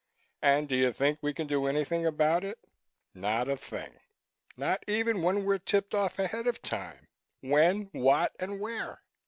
And do you think we can do anything about it? Not a thing! Not even when we're tipped off ahead of time when, what, and where!